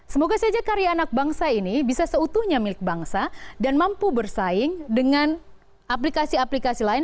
semoga saja karya anak bangsa ini bisa seutuhnya milik bangsa dan mampu bersaing dengan aplikasi aplikasi lain